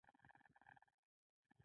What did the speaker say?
سترګې د رڼا د حس لپاره کار کوي.